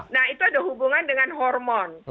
nah itu ada hubungan dengan hormon